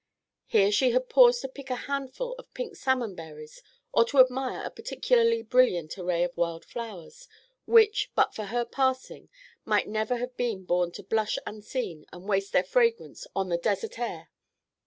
Here she had paused to pick a handful of pink salmon berries or to admire a particularly brilliant array of wild flowers, which, but for her passing, might have been "Born to blush unseen and waste their fragrance on the desert air."